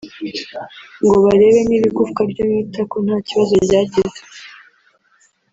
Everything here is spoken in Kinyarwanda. ngo barebe niba igufwa ryo mu itako nta kibazo ryagize